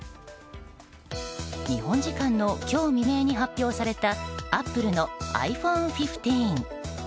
日本時間の今日未明に発表されたアップルのｉＰｈｏｎｅ１５。